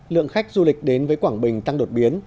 lượng khách du lịch đến với quảng bình tăng đột biến